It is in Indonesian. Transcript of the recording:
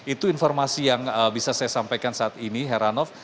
itu informasi yang bisa saya sampaikan saat ini heranov